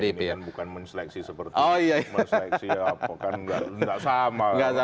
ini kan bukan menseleksi seperti menseleksi apa kan tidak sama